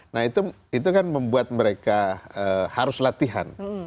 nah itu kan membuat mereka harus latihan